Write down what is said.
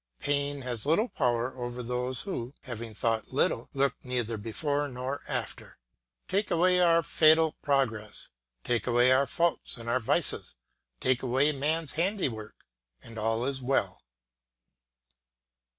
Pain has little power over those who, having thought little, look neither before nor after. Take away our fatal progress, take away our faults and our vices, take away man's handiwork, and all is well.